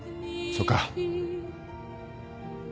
そうか